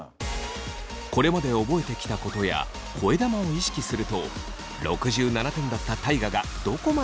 これまで覚えてきたことや声玉を意識すると６７点だった大我がどこまで伸びるのか？